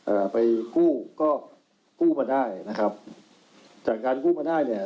เอ่อไปกู้ก็กู้มาได้นะครับจากการกู้มาได้เนี่ย